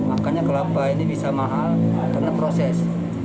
makanya kelapa ini bisa mahal karena proses